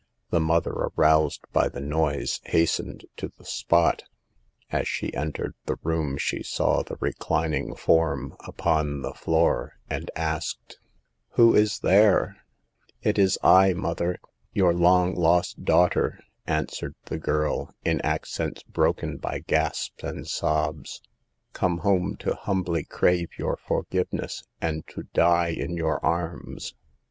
The mother, aroused by the noise, hastened to the spot As she en tered the room she saw the reclining form upon the floor, and asked : 118 SAVE THE GIKLS. « Who is there ?"" It is I, mother, your long lost daughter," answered the girl, in accents broken by gasps and sobs, " come home to humbly crave your forgiveness and to die in your arms."